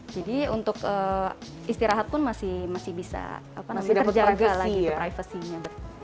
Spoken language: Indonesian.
jadi untuk istirahat pun masih bisa terjaga lagi privacy nya